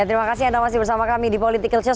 terima kasih anda masih bersama kami di political show